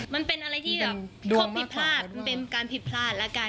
มันเป็นอะไรที่แบบข้อผิดพลาดมันเป็นการผิดพลาดแล้วกัน